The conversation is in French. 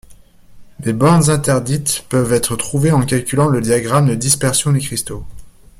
Les bandes interdites peuvent être trouvées en calculant le diagramme de dispersion des cristaux.